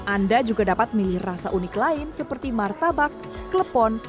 anda juga dapat milih rasa unik lain seperti martabak klepon